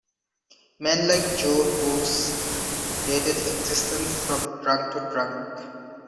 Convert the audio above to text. Men like Joe Goose dated existence from drunk to drunk.